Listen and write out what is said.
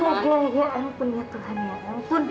astaga ya ampun ya tuhan ya ampun